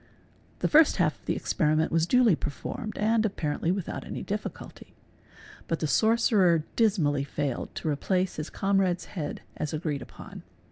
The first half of the experi ment was duly performed and apparently without any difficulty, but the sorcerer dismally failed to replace his comrade's head as agreed upon.